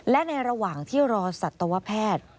และในระหว่างที่รอสัตวแพทย์